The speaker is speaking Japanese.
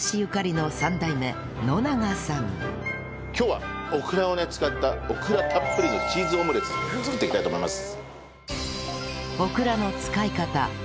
今日はオクラをね使ったオクラたっぷりのチーズオムレツ作っていきたいと思います。